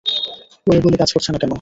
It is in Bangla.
ওয়েবলি কাজ করছে না কেন?